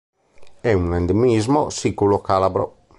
È un endemismo siculo-calabro.